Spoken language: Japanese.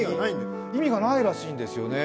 意味がないらしんですよね。